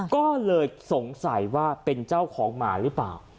ก็เลยสงสัยว่าเป็นเจ้าของหมาหรือเปล่า